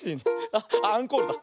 あっアンコールだ。